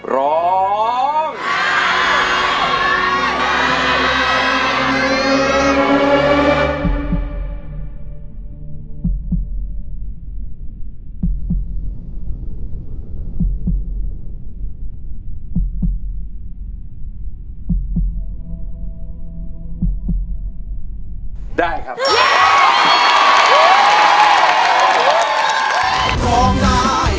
โครงใจโครงใจโครงใจ